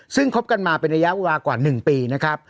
ซึ่งคบกันมาเป็นระยะเวลากว่า๑ปีนะครับ